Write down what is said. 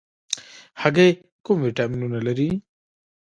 هګۍ کوم ویټامینونه لري؟